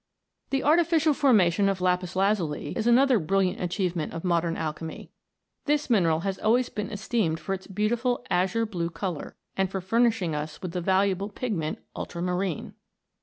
The artificial formation of lapis lazuli is another brilliant achievement of modern alchemy. This mineral has always been esteemed for its beautiful azure blue colour, and for furnishing us with the valuable pigment, ultramarine.